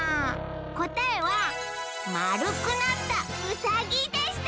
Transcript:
こたえはまるくなったウサギでした！